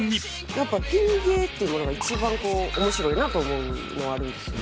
やっぱピン芸っていうものが一番こう面白いなと思うのはあるんですよね。